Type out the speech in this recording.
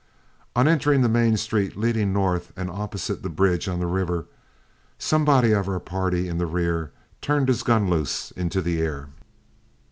On entering the main street, leading north and opposite the bridge on the river, somebody of our party in the rear turned his gun loose into the air.